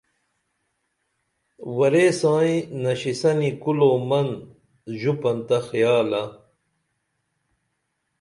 ورے سائیں نشِسنی کُل او من ژوپن تہ خیالہ